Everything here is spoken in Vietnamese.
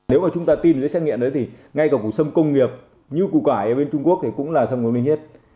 nếu mà chúng ta tin giấy xét nghiệm đấy thì ngay cả cụ sâm công nghiệp như củ cải ở bên trung quốc thì cũng là sâm ngọc linh nhất